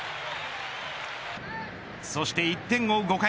そして１点を追う５回。